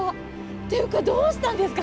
っていうか、どうしたんですか？